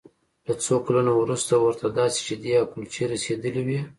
له څو کلونو وروسته ورته داسې شیدې او کلچې رسیدلې وې